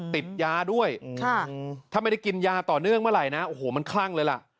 ติดยาด้วยถ้าไม่ได้กินยาต่อเนื่องเมื่อไหร่นะโอ้โหมันคลั่งเลยล่ะ